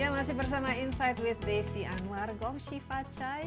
ya masih bersama insight with desy anwar gongshifa chai